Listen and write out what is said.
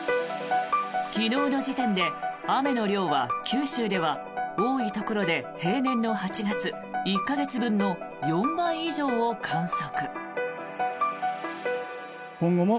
昨日の時点で雨の量は九州では多いところで平年の８月１か月分の４倍以上を観測。